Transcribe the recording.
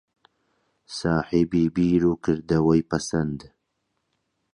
ساحێبی بیر و کردەوەی پەسەند